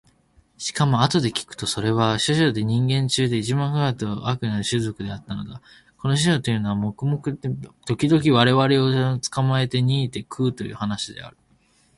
しかもあとで聞くとそれは書生という人間中で一番獰悪どうあくな種族であったそうだ。この書生というのは時々我々を捕つかまえて煮にて食うという話である。